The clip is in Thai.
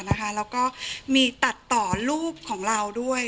แล้วก็มีตัดต่อรูปของเราด้วย